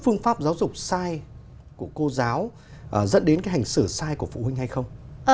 phương pháp giáo dục sai của cô giáo dẫn đến cái hành xử sai của phụ huynh hay không